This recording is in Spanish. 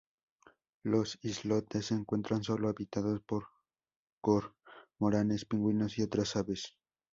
Los islotes se encuentran sólo habitados por cormoranes, pingüinos y otras aves.